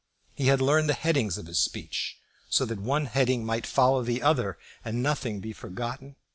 He had learned the headings of his speech, so that one heading might follow the other, and nothing be forgotten.